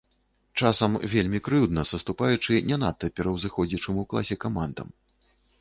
Часам вельмі крыўдна саступаючы не надта пераўзыходзячым у класе камандам.